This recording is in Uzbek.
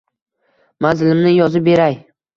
Manzilimni yozib beray